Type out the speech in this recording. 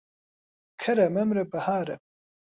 کەرە مەمرە بەهارە.